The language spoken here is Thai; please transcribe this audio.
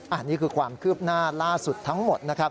อันนี้คือความคือบหน้าล่าสุดทั้งหมด